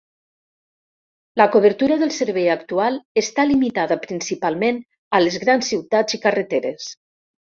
La cobertura del servei actual està limitada principalment a les grans ciutats i carreteres.